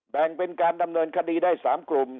แบ่งเป็นการดำเนินคดีได้๓กลุ่ม